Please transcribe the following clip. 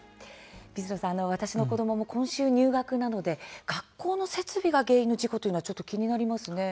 水野さん、私の子どもも今週入学なので、学校の設備が原因の事故というのはちょっと気になりますね。